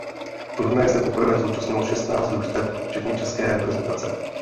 Turnaje se poprvé zúčastnilo šestnáct družstev včetně česká reprezentace.